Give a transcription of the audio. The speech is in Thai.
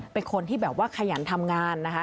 เป็นคนที่แบบว่าขยันทำงานนะคะ